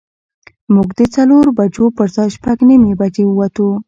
موږ د څلورو بجو پر ځای شپږ نیمې بجې ووتو.